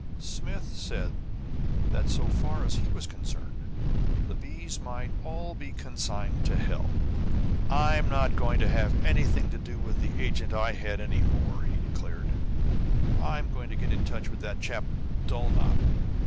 Smith said that, so far as he was concerned, the bees might all be consigned to hell. "I'm not going to have anything to do with the agent I had, any more!" he declared. "I'm going to get in touch with that chap, Dulnop.